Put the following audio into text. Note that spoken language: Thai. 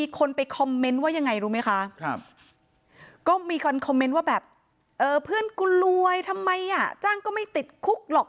คนคอมเมนต์ว่าแบบเออเพื่อนกูรวยทำไมอ่ะจ้างก็ไม่ติดคุกหรอก